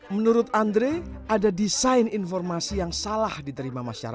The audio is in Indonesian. menurut andre ada desain informasi yang salah diterima